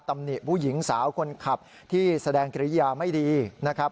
หนิผู้หญิงสาวคนขับที่แสดงกิริยาไม่ดีนะครับ